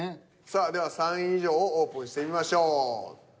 さあでは３位以上をオープンしてみましょう。